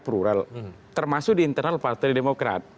plural termasuk di internal partai demokrat